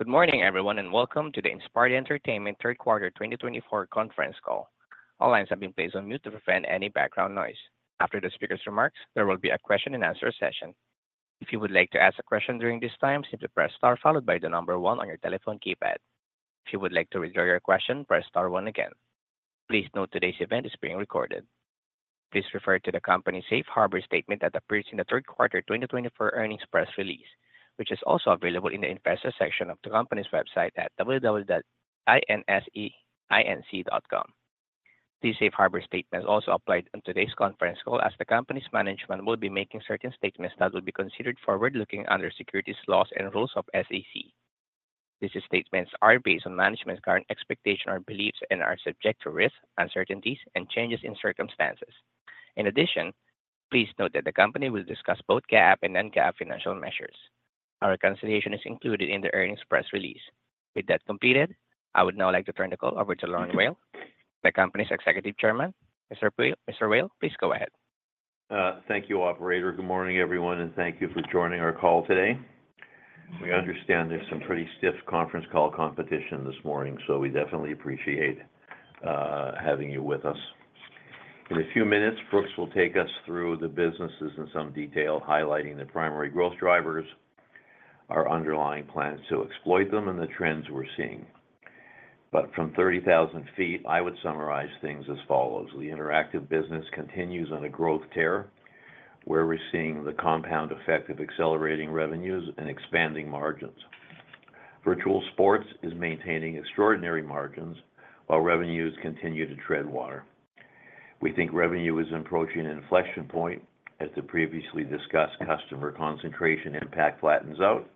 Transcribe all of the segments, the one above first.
Good morning, everyone, and welcome to the Inspired Entertainment Third Quarter 2024 Conference Call. All lines have been placed on mute to prevent any background noise. After the speaker's remarks, there will be a question-and-answer session. If you would like to ask a question during this time, simply press Star followed by the number 1 on your telephone keypad. If you would like to withdraw your question, press Star 1 again. Please note today's event is being recorded. Please refer to the company's safe harbor statement that appears in the Third Quarter 2024 earnings press release, which is also available in the Investor section of the company's website at www.inseinc.com. This safe harbor statement is also applied in today's conference call as the company's management will be making certain statements that will be considered forward-looking under securities laws and rules of SEC. These statements are based on management's current expectations or beliefs and are subject to risks, uncertainties, and changes in circumstances. In addition, please note that the company will discuss both GAAP and non-GAAP financial measures. Our reconciliation is included in the earnings press release. With that completed, I would now like to turn the call over to Lorne Weil, the company's Executive Chairman. Mr. Weil, please go ahead. Thank you, Operator. Good morning, everyone, and thank you for joining our call today. We understand there's some pretty stiff conference call competition this morning, so we definitely appreciate having you with us. In a few minutes, Brooks will take us through the businesses in some detail, highlighting the primary growth drivers, our underlying plans to exploit them, and the trends we're seeing. But from 30,000 feet, I would summarize things as follows. The interactive business continues on a growth tear, where we're seeing the compound effect of accelerating revenues and expanding margins. Virtual sports is maintaining extraordinary margins while revenues continue to tread water. We think revenue is approaching an inflection point as the previously discussed customer concentration impact flattens out.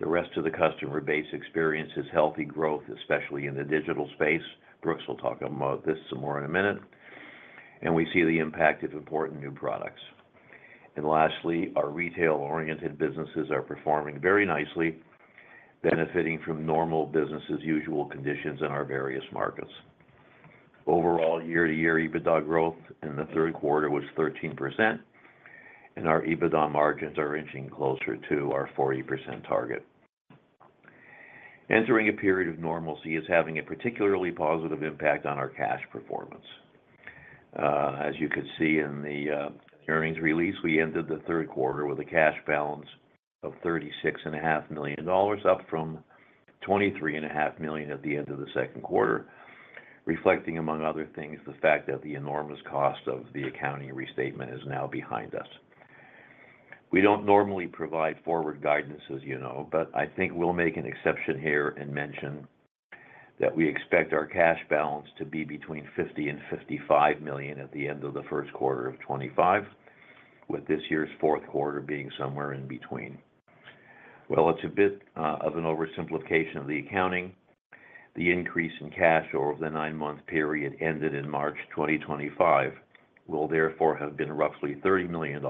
The rest of the customer base experiences healthy growth, especially in the digital space. Brooks will talk about this some more in a minute. We see the impact of important new products. Lastly, our retail-oriented businesses are performing very nicely, benefiting from normal business-as-usual conditions in our various markets. Overall, year-to-year EBITDA growth in the third quarter was 13%, and our EBITDA margins are inching closer to our 40% target. Entering a period of normalcy is having a particularly positive impact on our cash performance. As you could see in the earnings release, we ended the third quarter with a cash balance of $36.5 million, up from $23.5 million at the end of the second quarter, reflecting, among other things, the fact that the enormous cost of the accounting restatement is now behind us. We don't normally provide forward guidance, as you know, but I think we'll make an exception here and mention that we expect our cash balance to be between $50-$55 million at the end of the first quarter of 2025, with this year's fourth quarter being somewhere in between. Well, it's a bit of an oversimplification of the accounting. The increase in cash over the nine-month period ended in March 2025 will therefore have been roughly $30 million,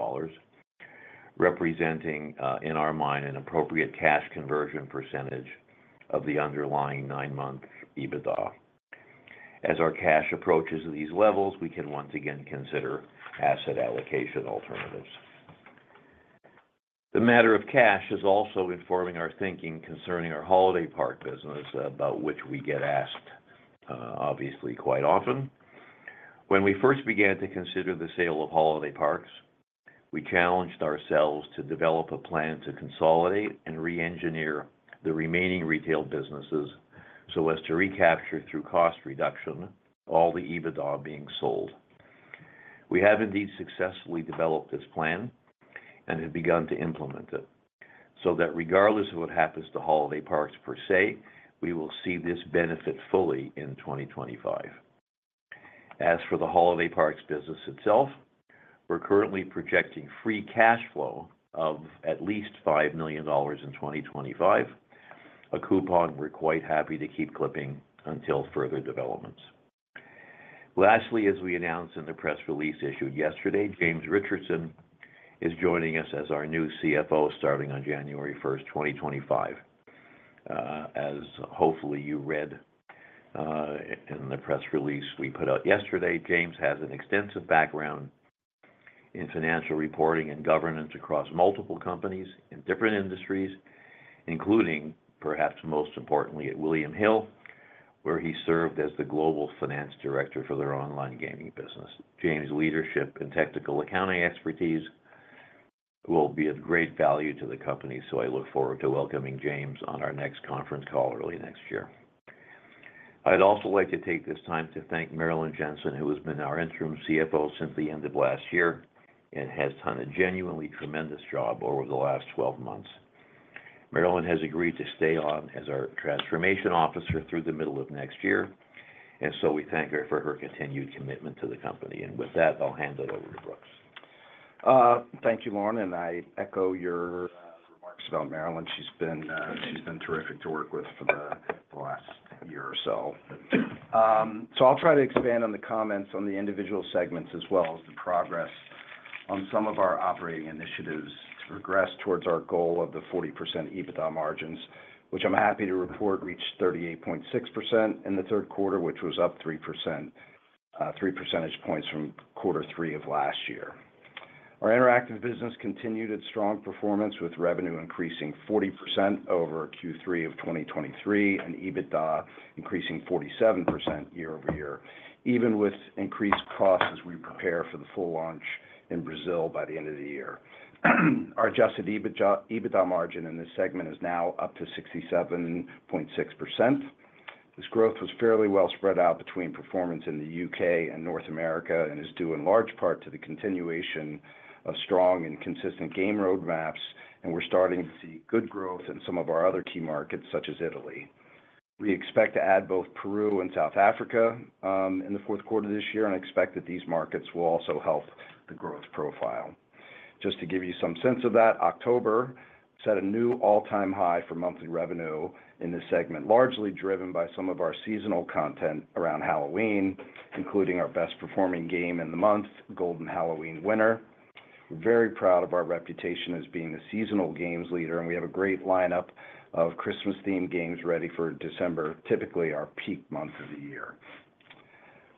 representing, in our mind, an appropriate cash conversion percentage of the underlying nine-month EBITDA. As our cash approaches these levels, we can once again consider asset allocation alternatives. The matter of cash is also informing our thinking concerning our holiday park business, about which we get asked, obviously, quite often. When we first began to consider the sale of holiday parks, we challenged ourselves to develop a plan to consolidate and re-engineer the remaining retail businesses so as to recapture, through cost reduction, all the EBITDA being sold. We have indeed successfully developed this plan and have begun to implement it so that regardless of what happens to holiday parks per se, we will see this benefit fully in 2025. As for the holiday parks business itself, we're currently projecting free cash flow of at least $5 million in 2025, a coupon we're quite happy to keep clipping until further developments. Lastly, as we announced in the press release issued yesterday, James Richardson is joining us as our new CFO starting on January 1st, 2025. As hopefully you read in the press release we put out yesterday, James has an extensive background in financial reporting and governance across multiple companies in different industries, including, perhaps most importantly, at William Hill, where he served as the global finance director for their online gaming business. James' leadership and technical accounting expertise will be of great value to the company, so I look forward to welcoming James on our next conference call early next year. I'd also like to take this time to thank Marilyn Jentzen, who has been our interim CFO since the end of last year and has done a genuinely tremendous job over the last 12 months. Marilyn has agreed to stay on as our transformation officer through the middle of next year, and so we thank her for her continued commitment to the company. And with that, I'll hand it over to Brooks. Thank you, Lorne, and I echo your remarks about Marilyn. She's been terrific to work with for the last year or so. So I'll try to expand on the comments on the individual segments as well as the progress on some of our operating initiatives to progress towards our goal of the 40% EBITDA margins, which I'm happy to report reached 38.6% in the third quarter, which was up three percentage points from quarter three of last year. Our interactive business continued its strong performance, with revenue increasing 40% over Q3 of 2023 and EBITDA increasing 47% year-over-year, even with increased costs as we prepare for the full launch in Brazil by the end of the year. Our adjusted EBITDA margin in this segment is now up to 67.6%. This growth was fairly well spread out between performance in the U.K. and North America and is due in large part to the continuation of strong and consistent game roadmaps, and we're starting to see good growth in some of our other key markets, such as Italy. We expect to add both Peru and South Africa in the fourth quarter of this year, and I expect that these markets will also help the growth profile. Just to give you some sense of that, October set a new all-time high for monthly revenue in this segment, largely driven by some of our seasonal content around Halloween, including our best-performing game in the month, Golden Halloween Winner. We're very proud of our reputation as being the seasonal games leader, and we have a great lineup of Christmas-themed games ready for December, typically our peak month of the year.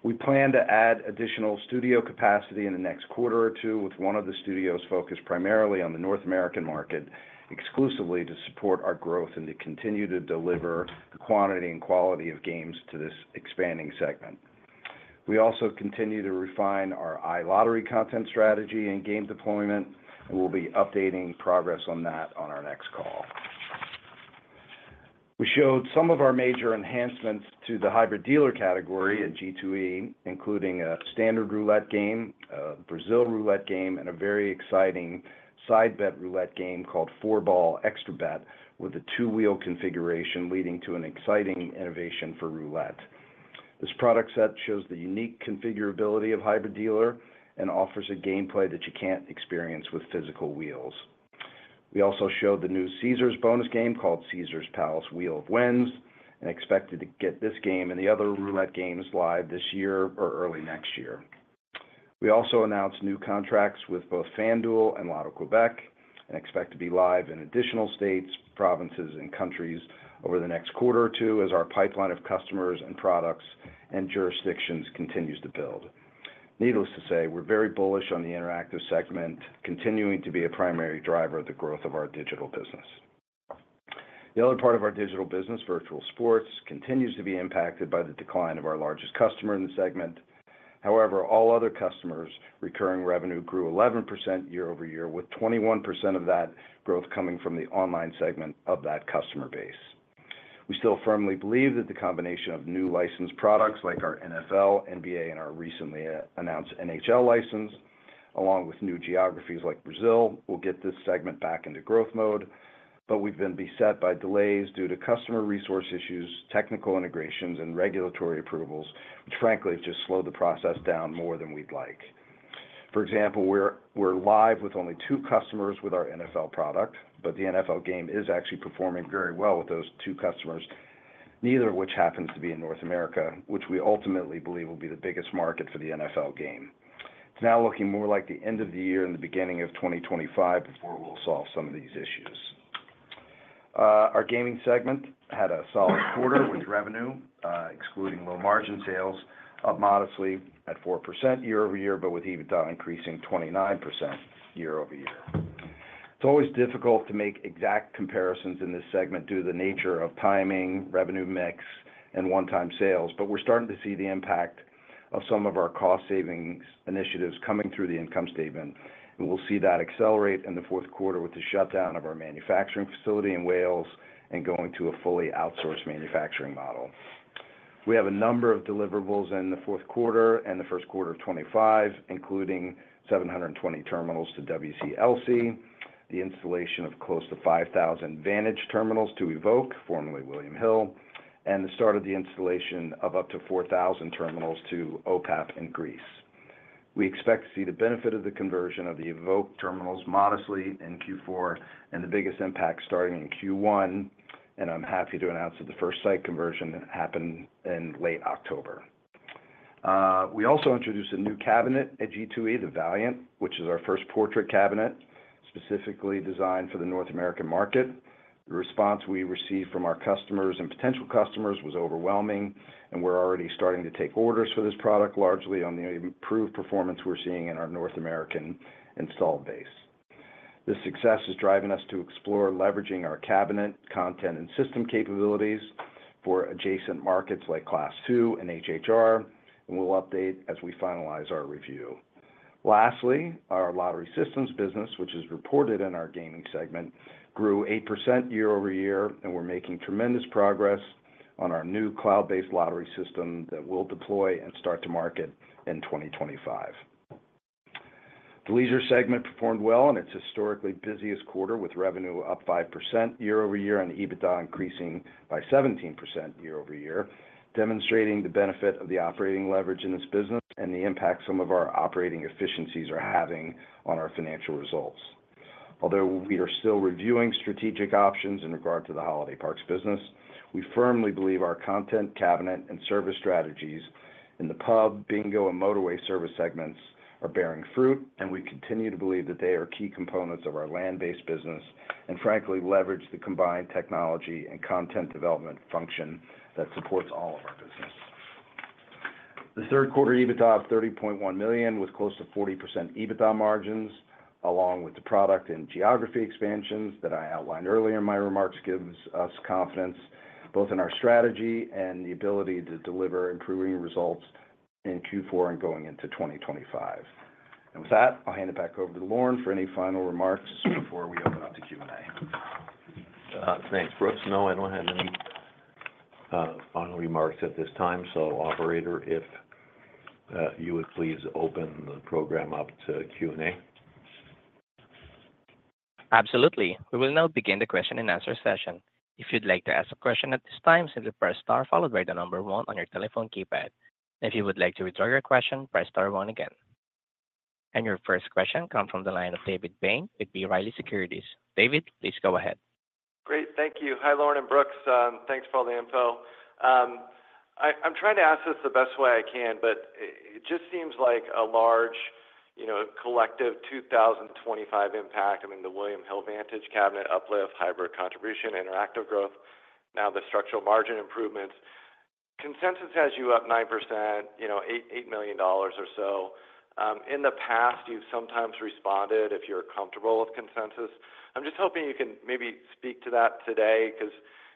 We plan to add additional studio capacity in the next quarter or two, with one of the studios focused primarily on the North American market exclusively to support our growth and to continue to deliver the quantity and quality of games to this expanding segment. We also continue to refine our iLottery content strategy and game deployment, and we'll be updating progress on that on our next call. We showed some of our major enhancements to the Hybrid Dealer category at G2E, including a standard roulette game, a Brazil roulette game, and a very exciting side-bet roulette game called Four Ball Extra Bet, with a two-wheel configuration leading to an exciting innovation for roulette. This product set shows the unique configurability of Hybrid Dealer and offers a gameplay that you can't experience with physical wheels. We also showed the new Caesars bonus game called Caesars Palace Wheel of Wins and expected to get this game and the other roulette games live this year or early next year. We also announced new contracts with both FanDuel and Loto-Québec and expect to be live in additional states, provinces, and countries over the next quarter or two as our pipeline of customers and products and jurisdictions continues to build. Needless to say, we're very bullish on the interactive segment continuing to be a primary driver of the growth of our digital business. The other part of our digital business, virtual sports, continues to be impacted by the decline of our largest customer in the segment. However, all other customers' recurring revenue grew 11% year-over-year, with 21% of that growth coming from the online segment of that customer base. We still firmly believe that the combination of new licensed products like our NFL, NBA, and our recently announced NHL license, along with new geographies like Brazil, will get this segment back into growth mode, but we've been beset by delays due to customer resource issues, technical integrations, and regulatory approvals, which, frankly, have just slowed the process down more than we'd like. For example, we're live with only two customers with our NFL product, but the NFL game is actually performing very well with those two customers, neither of which happens to be in North America, which we ultimately believe will be the biggest market for the NFL game. It's now looking more like the end of the year and the beginning of 2025 before we'll solve some of these issues. Our gaming segment had a solid quarter with revenue, excluding low margin sales, up modestly at 4% year-over-year, but with EBITDA increasing 29% year-over-year. It's always difficult to make exact comparisons in this segment due to the nature of timing, revenue mix, and one-time sales, but we're starting to see the impact of some of our cost-saving initiatives coming through the income statement, and we'll see that accelerate in the fourth quarter with the shutdown of our manufacturing facility in Wales and going to a fully outsourced manufacturing model. We have a number of deliverables in the fourth quarter and the first quarter of 2025, including 720 terminals to WCLC, the installation of close to 5,000 Vantage terminals to Evoke, formerly William Hill, and the start of the installation of up to 4,000 terminals to OPAP in Greece. We expect to see the benefit of the conversion of the Evoke terminals modestly in Q4 and the biggest impact starting in Q1, and I'm happy to announce that the first site conversion happened in late October. We also introduced a new cabinet at G2E, the Valiant, which is our first portrait cabinet, specifically designed for the North American market. The response we received from our customers and potential customers was overwhelming, and we're already starting to take orders for this product, largely on the improved performance we're seeing in our North American installed base. This success is driving us to explore leveraging our cabinet, content, and system capabilities for adjacent markets like Class II and HHR, and we'll update as we finalize our review. Lastly, our lottery systems business, which is reported in our gaming segment, grew 8% year-over-year, and we're making tremendous progress on our new cloud-based lottery system that we'll deploy and start to market in 2025. The leisure segment performed well in its historically busiest quarter, with revenue up 5% year-over-year and EBITDA increasing by 17% year-over-year, demonstrating the benefit of the operating leverage in this business and the impact some of our operating efficiencies are having on our financial results. Although we are still reviewing strategic options in regard to the holiday parks business, we firmly believe our content, cabinet, and service strategies in the pub, bingo, and motorway service segments are bearing fruit, and we continue to believe that they are key components of our land-based business and, frankly, leverage the combined technology and content development function that supports all of our business. The third quarter EBITDA of $30.1 million, with close to 40% EBITDA margins, along with the product and geography expansions that I outlined earlier in my remarks, gives us confidence both in our strategy and the ability to deliver improving results in Q4 and going into 2025. And with that, I'll hand it back over to Lorne for any final remarks before we open up to Q&A. Thanks, Brooks. No, I don't have any final remarks at this time. So, Operator, if you would please open the program up to Q&A. Absolutely. We will now begin the question and answer session. If you'd like to ask a question at this time, simply press star followed by the number one on your telephone keypad. If you would like to withdraw your question, press star one again. And your first question comes from the line of David Bain with B. Riley Securities. David, please go ahead. Great. Thank you. Hi, Lorne and Brooks. Thanks for all the info. I'm trying to ask this the best way I can, but it just seems like a large collective 2025 impact. I mean, the William Hill Vantage cabinet uplift, Hybrid contribution, interactive growth, now the structural margin improvements. Consensus has you up 9%, $8 million or so. In the past, you've sometimes responded if you're comfortable with consensus. I'm just hoping you can maybe speak to that today because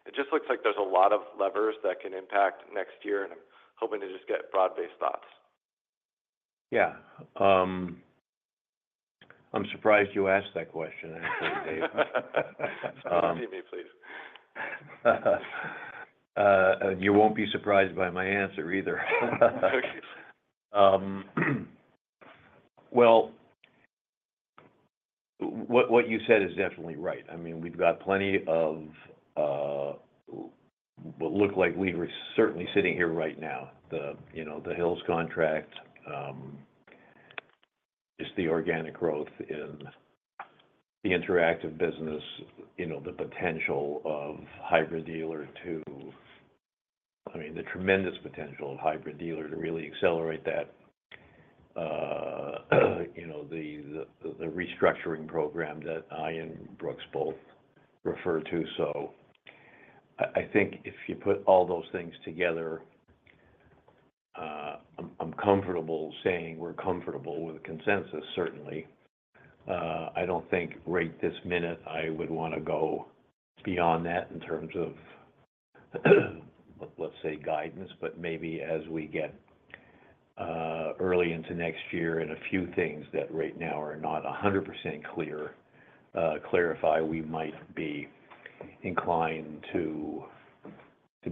it just looks like there's a lot of levers that can impact next year, and I'm hoping to just get broad-based thoughts. Yeah. I'm surprised you asked that question, actually, David. Excuse me, please. You won't be surprised by my answer either. What you said is definitely right. I mean, we've got plenty of what look like we were certainly sitting here right now, the William Hill contract, just the organic growth in the interactive business, the potential of Hybrid Dealer to, I mean, the tremendous potential of Hybrid Dealer to really accelerate that, the restructuring program that I and Brooks both refer to. So I think if you put all those things together, I'm comfortable saying we're comfortable with consensus, certainly. I don't think right this minute I would want to go beyond that in terms of, let's say, guidance, but maybe as we get early into next year and a few things that right now are not 100% clear, clarify, we might be inclined to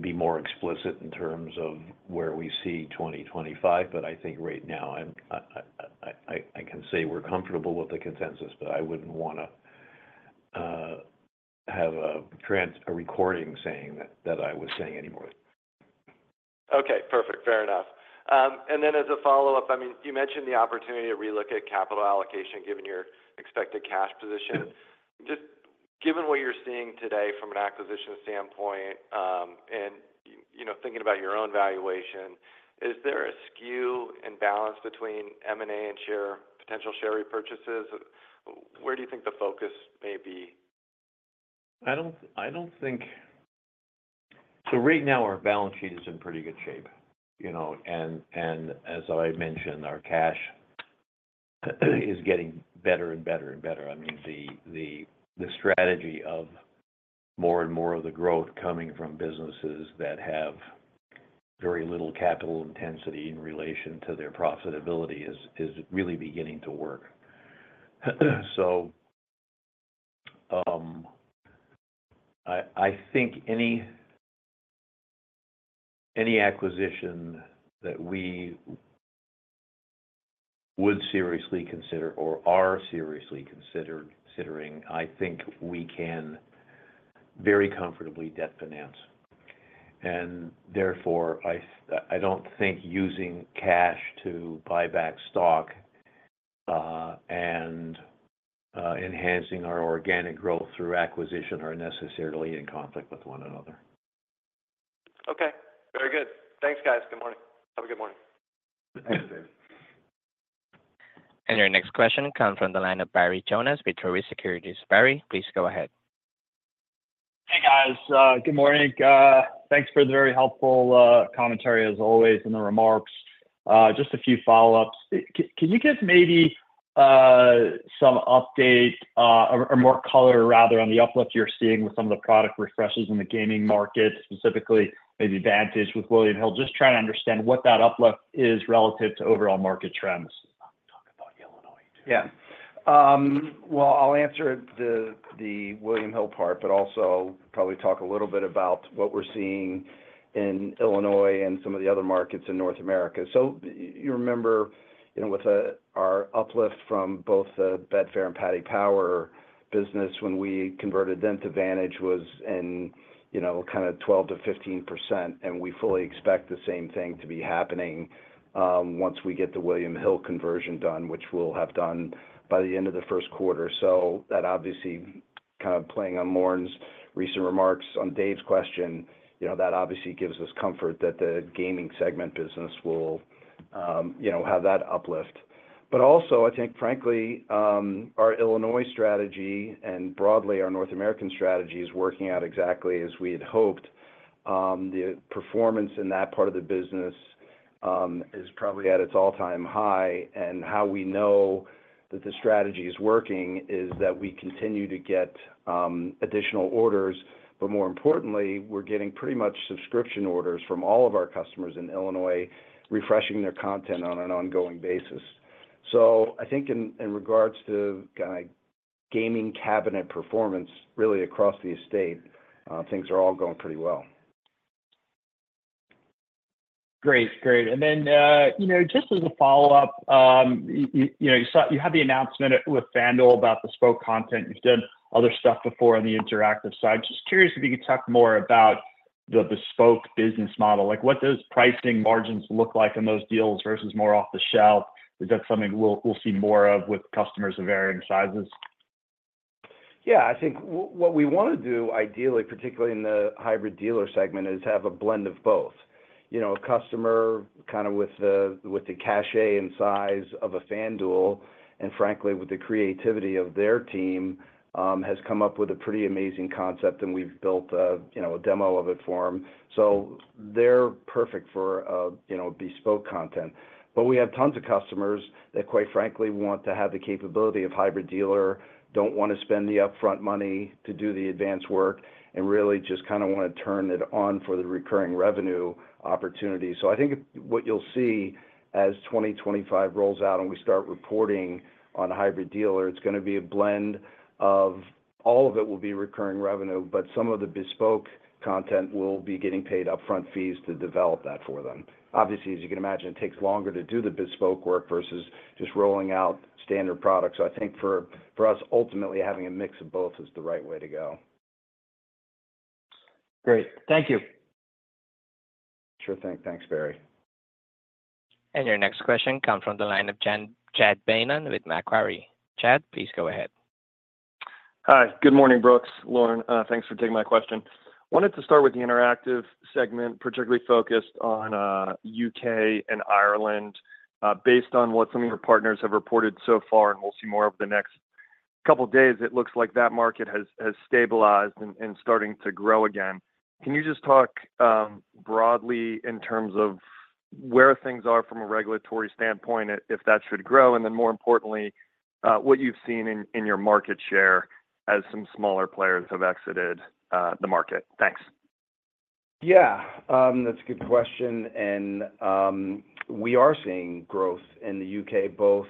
be more explicit in terms of where we see 2025. But I think right now I can say we're comfortable with the consensus, but I wouldn't want to have a recording saying that I was saying anymore. Okay. Perfect. Fair enough. And then as a follow-up, I mean, you mentioned the opportunity to relook at capital allocation given your expected cash position. Just given what you're seeing today from an acquisition standpoint and thinking about your own valuation, is there a skew and balance between M&A and potential share repurchases? Where do you think the focus may be? I don't think so. Right now, our balance sheet is in pretty good shape, and as I mentioned, our cash is getting better and better and better. I mean, the strategy of more and more of the growth coming from businesses that have very little capital intensity in relation to their profitability is really beginning to work, so I think any acquisition that we would seriously consider or are seriously considering, I think we can very comfortably debt finance, and therefore, I don't think using cash to buy back stock and enhancing our organic growth through acquisition are necessarily in conflict with one another. Okay. Very good. Thanks, guys. Good morning. Have a good morning. Thanks, David. Your next question comes from the line of Barry Jonas with Truist Securities. Barry, please go ahead. Hey, guys. Good morning. Thanks for the very helpful commentary, as always, in the remarks. Just a few follow-ups. Can you give maybe some update or more color, rather, on the uplift you're seeing with some of the product refreshes in the gaming market, specifically maybe Vantage with William Hill? Just trying to understand what that uplift is relative to overall market trends. I'm talking about Illinois. Yeah. Well, I'll answer the William Hill part, but also probably talk a little bit about what we're seeing in Illinois and some of the other markets in North America. So you remember with our uplift from both the Betfair and Paddy Power business, when we converted them to Vantage, it was in kind of 12%-15%, and we fully expect the same thing to be happening once we get the William Hill conversion done, which we'll have done by the end of the first quarter. So that obviously kind of playing on Lorne's recent remarks on Dave's question, that obviously gives us comfort that the gaming segment business will have that uplift. But also, I think, frankly, our Illinois strategy and broadly our North American strategy is working out exactly as we had hoped. The performance in that part of the business is probably at its all-time high. And how we know that the strategy is working is that we continue to get additional orders, but more importantly, we're getting pretty much subscription orders from all of our customers in Illinois, refreshing their content on an ongoing basis. So I think in regards to kind of gaming cabinet performance, really across the estate, things are all going pretty well. Great. Great. And then just as a follow-up, you had the announcement with FanDuel about the bespoke content. You've done other stuff before on the interactive side. Just curious if you could talk more about the bespoke business model. What does pricing margins look like in those deals versus more off the shelf? Is that something we'll see more of with customers of varying sizes? Yeah. I think what we want to do, ideally, particularly in the Hybrid Dealer segment, is have a blend of both. A customer kind of with the cachet and size of a FanDuel, and frankly, with the creativity of their team, has come up with a pretty amazing concept, and we've built a demo of it for them. So they're perfect for bespoke content. But we have tons of customers that, quite frankly, want to have the capability of Hybrid Dealer, don't want to spend the upfront money to do the advanced work, and really just kind of want to turn it on for the recurring revenue opportunity. So I think what you'll see as 2025 rolls out and we start reporting on Hybrid Dealer, it's going to be a blend, all of it will be recurring revenue, but some of the bespoke content will be getting paid upfront fees to develop that for them. Obviously, as you can imagine, it takes longer to do the bespoke work versus just rolling out standard products. So I think for us, ultimately, having a mix of both is the right way to go. Great. Thank you. Sure thing. Thanks, Barry. Your next question comes from the line of Chad Beynon with Macquarie. Chad, please go ahead. Hi. Good morning, Brooks. Lorne, thanks for taking my question. Wanted to start with the interactive segment, particularly focused on U.K. and Ireland. Based on what some of your partners have reported so far, and we'll see more over the next couple of days, it looks like that market has stabilized and starting to grow again. Can you just talk broadly in terms of where things are from a regulatory standpoint if that should grow? And then more importantly, what you've seen in your market share as some smaller players have exited the market? Thanks. Yeah. That's a good question, and we are seeing growth in the U.K., both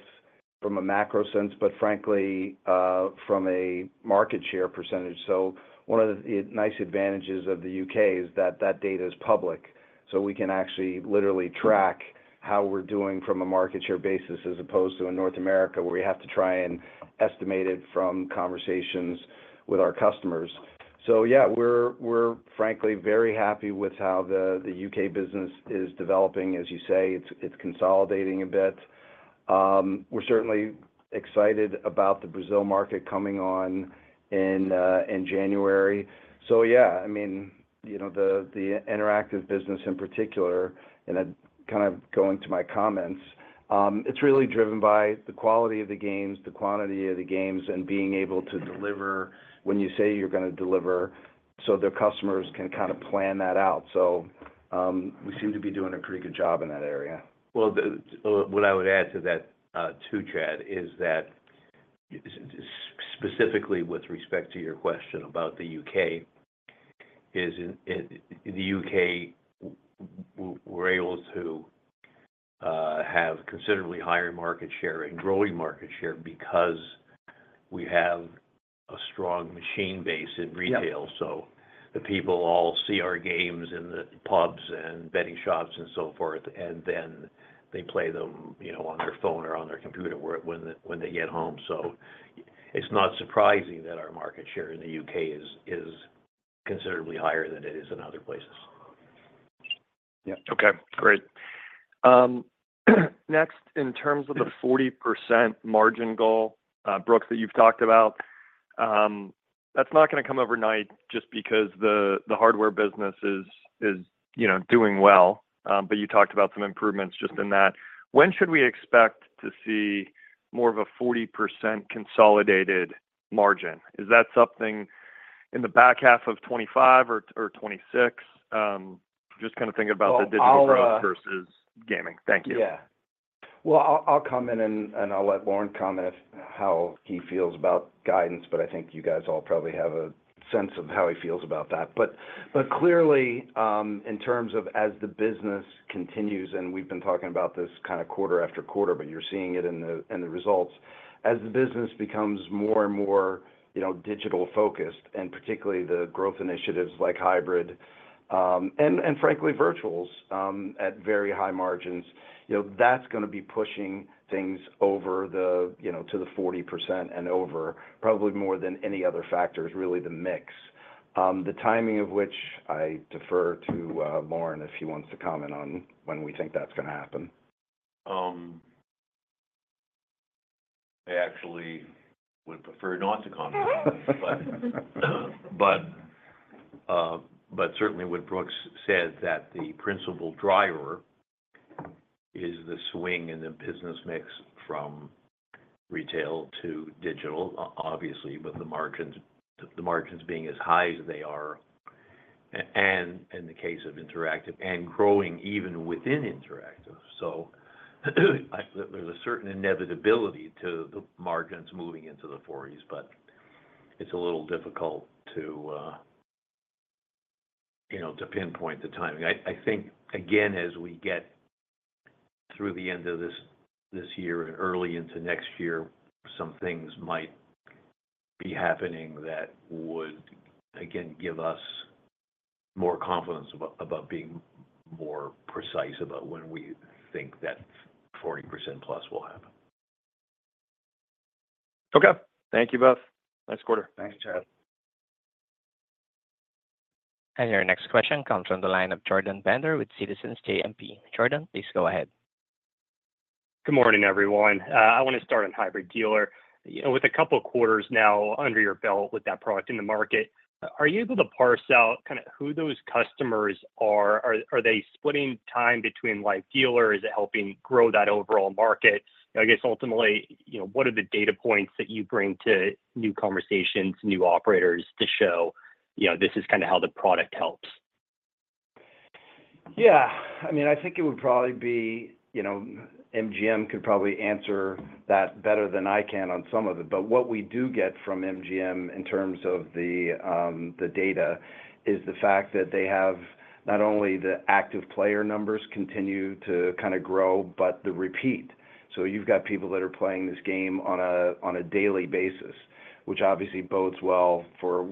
from a macro sense, but frankly, from a market share percentage, so one of the nice advantages of the U.K. is that that data is public, so we can actually literally track how we're doing from a market share basis as opposed to in North America where we have to try and estimate it from conversations with our customers, so yeah, we're frankly very happy with how the U.K. business is developing. As you say, it's consolidating a bit. We're certainly excited about the Brazil market coming on in January. Yeah, I mean, the interactive business in particular, and kind of going to my comments, it's really driven by the quality of the games, the quantity of the games, and being able to deliver when you say you're going to deliver so their customers can kind of plan that out. We seem to be doing a pretty good job in that area. What I would add to that too, Chad, is that specifically with respect to your question about the U.K., we're able to have considerably higher market share and growing market share because we have a strong machine base in retail, so the people all see our games in the pubs and betting shops and so forth, and then they play them on their phone or on their computer when they get home, so it's not surprising that our market share in the U.K. is considerably higher than it is in other places. Yeah. Okay. Great. Next, in terms of the 40% margin goal, Brooks, that you've talked about, that's not going to come overnight just because the hardware business is doing well. But you talked about some improvements just in that. When should we expect to see more of a 40% consolidated margin? Is that something in the back half of 2025 or 2026? Just kind of thinking about the digital growth versus gaming. Thank you. Yeah. Well, I'll comment, and I'll let Lorne comment how he feels about guidance, but I think you guys all probably have a sense of how he feels about that. But clearly, in terms of as the business continues, and we've been talking about this kind of quarter-after-quarter, but you're seeing it in the results, as the business becomes more and more digital-focused, and particularly the growth initiatives like hybrid and frankly, virtuals at very high margins, that's going to be pushing things over to the 40% and over, probably more than any other factors, really the mix. The timing of which I defer to Lorne if he wants to comment on when we think that's going to happen. I actually would prefer not to comment, but certainly what Brooks said that the principal driver is the swing in the business mix from retail to digital, obviously, with the margins being as high as they are in the case of interactive and growing even within interactive. So there's a certain inevitability to the margins moving into the 40s, but it's a little difficult to pinpoint the timing. I think, again, as we get through the end of this year and early into next year, some things might be happening that would, again, give us more confidence about being more precise about when we think that 40% plus will happen. Okay. Thank you both. Nice quarter. Thanks, Chad. Your next question comes from the line of Jordan Bender with Citizens JMP. Jordan, please go ahead. Good morning, everyone. I want to start on Hybrid Dealer. With a couple of quarters now under your belt with that product in the market, are you able to parse out kind of who those customers are? Are they splitting time between live dealer? Is it helping grow that overall market? I guess ultimately, what are the data points that you bring to new conversations, new operators to show this is kind of how the product helps? Yeah. I mean, I think it would probably be MGM could probably answer that better than I can on some of it. But what we do get from MGM in terms of the data is the fact that they have not only the active player numbers continue to kind of grow, but the repeat. So you've got people that are playing this game on a daily basis, which obviously bodes well for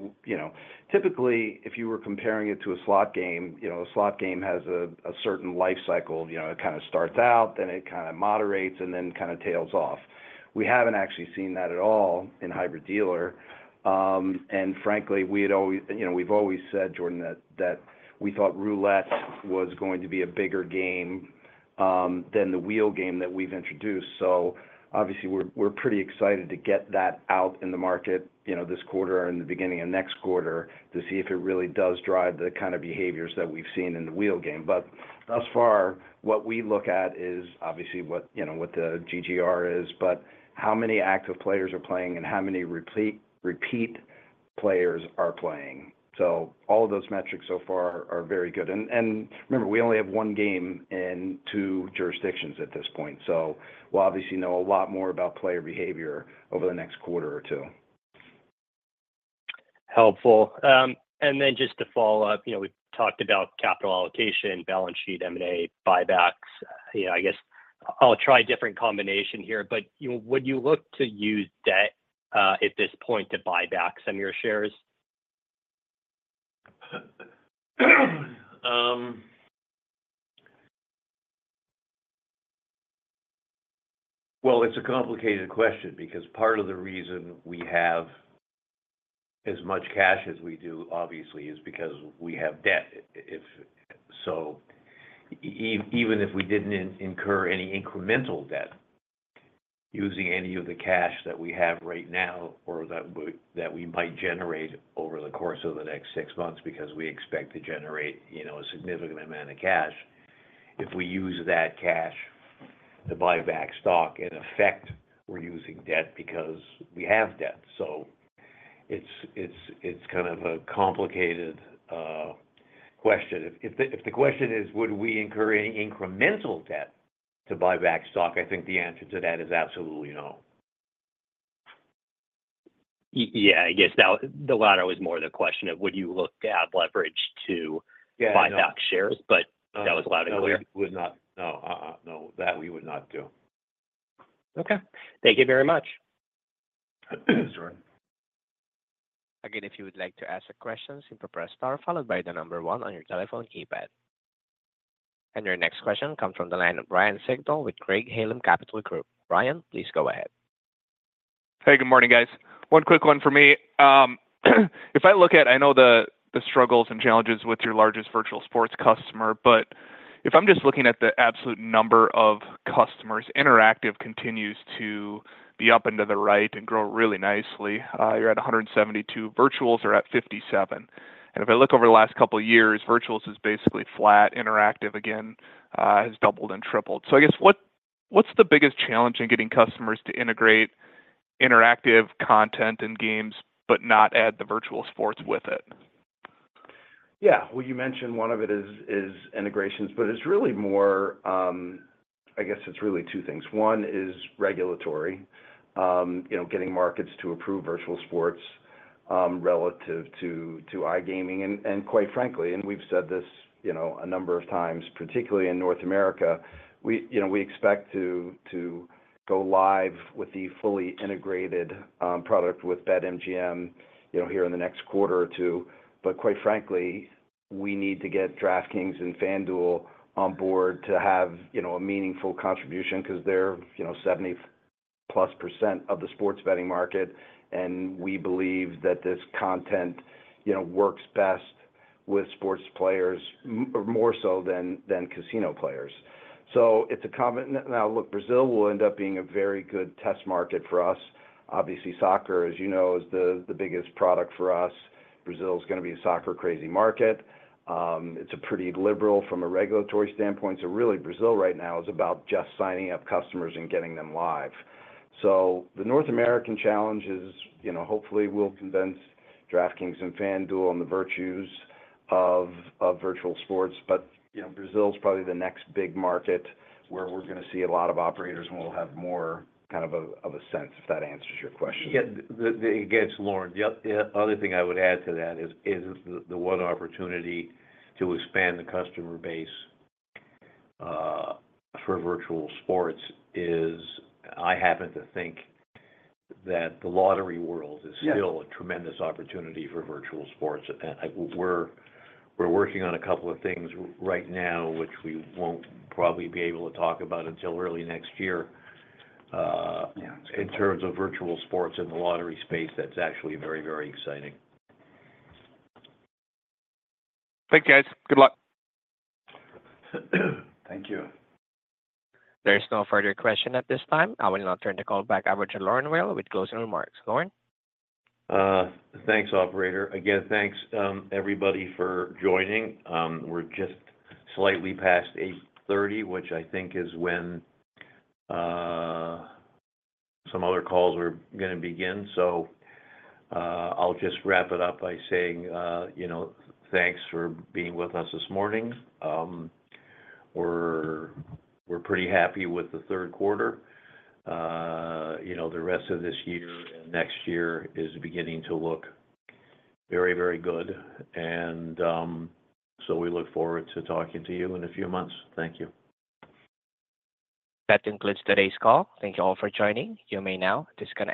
typically, if you were comparing it to a slot game, a slot game has a certain life cycle. It kind of starts out, then it kind of moderates, and then kind of tails off. We haven't actually seen that at all in Hybrid Dealer. And frankly, we've always said, Jordan, that we thought roulette was going to be a bigger game than the wheel game that we've introduced. So obviously, we're pretty excited to get that out in the market this quarter or in the beginning of next quarter to see if it really does drive the kind of behaviors that we've seen in the wheel game. But thus far, what we look at is obviously what the GGR is, but how many active players are playing and how many repeat players are playing. So all of those metrics so far are very good. And remember, we only have one game in two jurisdictions at this point. So we'll obviously know a lot more about player behavior over the next quarter or two. Helpful. And then just to follow up, we've talked about capital allocation, balance sheet, M&A, buybacks. I guess I'll try a different combination here, but would you look to use debt at this point to buy back some of your shares? It's a complicated question because part of the reason we have as much cash as we do, obviously, is because we have debt. Even if we didn't incur any incremental debt using any of the cash that we have right now or that we might generate over the course of the next six months because we expect to generate a significant amount of cash, if we use that cash to buy back stock, in effect, we're using debt because we have debt. It's kind of a complicated question. If the question is, would we incur any incremental debt to buy back stock, I think the answer to that is absolutely no. Yeah. I guess the latter was more the question of would you look to have leverage to buy back shares, but that was loud and clear. No, we would not. No, that we would not do. Okay. Thank you very much. Again, if you would like to ask a question, simply press star followed by the number one on your telephone keypad. And your next question comes from the line of Ryan Sigdahl with Craig-Hallum Capital Group. Ryan, please go ahead. Hey, good morning, guys. One quick one for me. If I look at, I know the struggles and challenges with your largest virtual sports customer, but if I'm just looking at the absolute number of customers, interactive continues to be up and to the right and grow really nicely. You're at 172. Virtuals are at 57. And if I look over the last couple of years, virtuals is basically flat. Interactive, again, has doubled and tripled. So I guess what's the biggest challenge in getting customers to integrate interactive content and games but not add the virtual sports with it? Yeah. Well, you mentioned one of it is integrations, but it's really more I guess it's really two things. One is regulatory, getting markets to approve virtual sports relative to iGaming. And quite frankly, and we've said this a number of times, particularly in North America, we expect to go live with the fully integrated product with BetMGM here in the next quarter or two. But quite frankly, we need to get DraftKings and FanDuel on board to have a meaningful contribution because they're 70-plus% of the sports betting market, and we believe that this content works best with sports players more so than casino players. So it's a common now, look, Brazil will end up being a very good test market for us. Obviously, soccer, as you know, is the biggest product for us. Brazil is going to be a soccer-crazy market. It's pretty liberal from a regulatory standpoint. So really, Brazil right now is about just signing up customers and getting them live. So the North American challenge is hopefully we'll convince DraftKings and FanDuel of the virtues of virtual sports. But Brazil is probably the next big market where we're going to see a lot of operators, and we'll have more kind of a sense if that answers your question. Yeah. Again, it's Lorne. The other thing I would add to that is the one opportunity to expand the customer base for virtual sports is I happen to think that the lottery world is still a tremendous opportunity for virtual sports. And we're working on a couple of things right now, which we won't probably be able to talk about until early next year in terms of virtual sports in the lottery space. That's actually very, very exciting. Thank you, guys. Good luck. Thank you. There is no further question at this time. I will now turn the call back over to Lorne Weil with closing remarks. Lorne? Thanks, operator. Again, thanks everybody for joining. We're just slightly past 8:30 A.M., which I think is when some other calls are going to begin. So I'll just wrap it up by saying thanks for being with us this morning. We're pretty happy with the third quarter. The rest of this year and next year is beginning to look very, very good. And so we look forward to talking to you in a few months. Thank you. That concludes today's call. Thank you all for joining. You may now disconnect.